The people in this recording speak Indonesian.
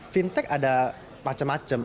fintech ada macam macam